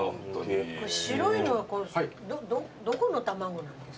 白いのはどこの卵なんですか？